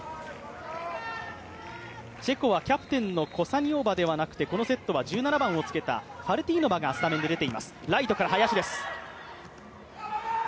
チェコはキャプテンのコサニオバではなくて、このセットは１７番をつけたファルティーノバがスタメンで出ています。